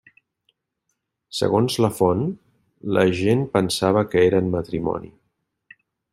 Segons la font, la gent pensava que eren matrimoni.